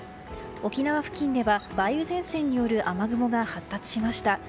沖縄付近では梅雨前線による雨雲が発達しました。